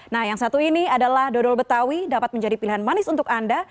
nah yang satu ini adalah dodol betawi dapat menjadi pilihan manis untuk anda